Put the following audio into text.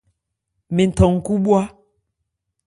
Mɛn than khú bhwá.